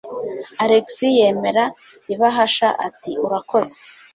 Alex yemera ibahasha ati: "Urakoze."